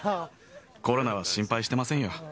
コロナは心配していませんよ。